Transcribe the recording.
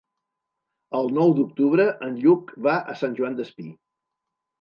El nou d'octubre en Lluc va a Sant Joan Despí.